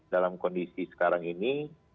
dalam kondisi sekarang ini